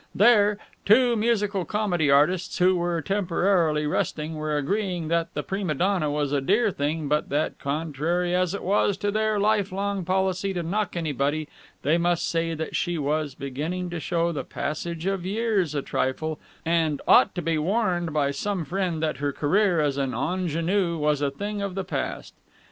There, two musical comedy artists who were temporarily resting were agreeing that the prima donna was a dear thing but that, contrary as it was to their life long policy to knock anybody, they must say that she was beginning to show the passage of years a trifle and ought to be warned by some friend that her career as an ingénue was a thing of the past.